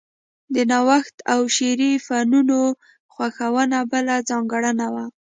د نوښت او شعري فنونو خوښونه بله ځانګړنه وه